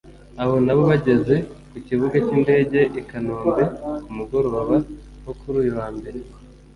Abo nabo bageze ku Kibuga cy’indege i Kanombe ku mugoroba wo kuri uyu wa Mbere